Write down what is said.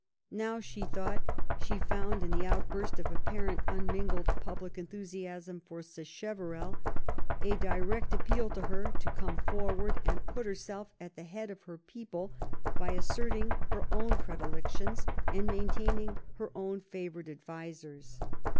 Now she thought she found in the outburst of apparently un mingled public enthusiasm for Sacheverell a direct appeal to her to come forward and put herself at the head of her people by asserting her own predilections and maintaining her own favorite advisers.